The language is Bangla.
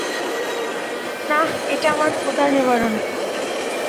না, এটা আমার ক্ষুধা নিবারণ করবে।